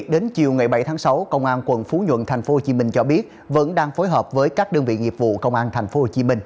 đến chiều ngày bảy tháng sáu công an quận phú nhuận tp hcm cho biết vẫn đang phối hợp với các đơn vị nghiệp vụ công an tp hcm